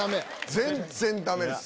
全然ダメです。